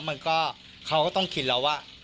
มันก็เขาก็ต้องคิดแล้วว่า